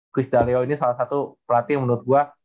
chris dalio ini salah satu pelatih yang menurut gue